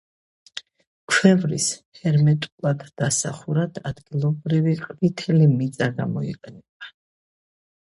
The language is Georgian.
ქვევრის ჰერმეტულად დასახურად ადგილობრივი ყვითელი მიწა გამოიყენება.